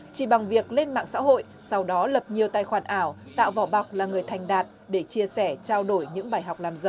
chỉ bằng việc lên mạng xã hội sau đó lập nhiều tài khoản ảo tạo vỏ bọc là người thành đạt để chia sẻ trao đổi những bài học làm giàu